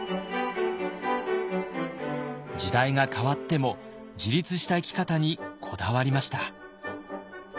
時代が変わっても自立した生き方にこだわりました。